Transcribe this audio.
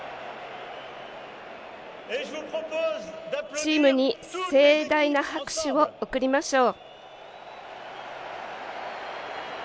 チームに盛大な拍手を送りましょう。